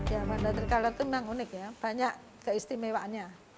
ya fanda tricolor itu memang unik ya banyak keistimewaannya